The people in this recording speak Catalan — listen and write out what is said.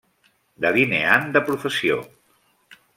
Delineant de professió.